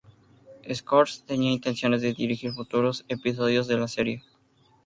Scorsese tenía intenciones de dirigir futuros episodios de la serie.